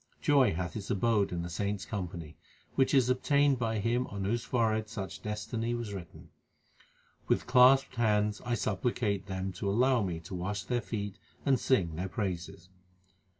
Joy hath its abode in the saints company, Which is obtained by him on whose forehead such destiny was written. With clasped hands I supplicate them To allow me to wash their feet and sing their praises.